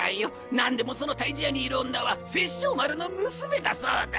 何でもその退治屋にいる女は殺生丸の娘だそうだ。